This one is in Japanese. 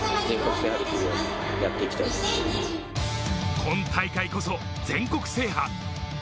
今大会こそ全国制覇。